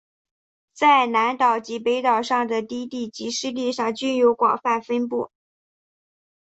在南岛及北岛上的低地及湿地上均有广泛分布。